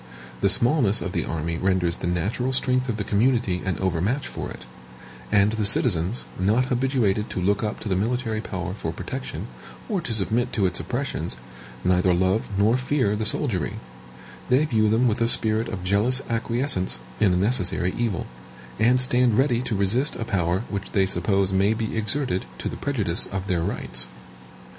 The smallness of the army renders the natural strength of the community an overmatch for it; and the citizens, not habituated to look up to the military power for protection, or to submit to its oppressions, neither love nor fear the soldiery; they view them with a spirit of jealous acquiescence in a necessary evil, and stand ready to resist a power which they suppose may be exerted to the prejudice of their rights.